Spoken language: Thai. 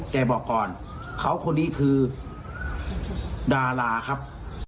บอกก่อนเขาคนนี้คือดาราครับ